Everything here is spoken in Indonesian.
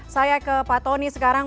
saya ke pak tony sekarang